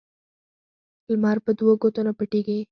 لمر په دوو ګوتو نه پټېږي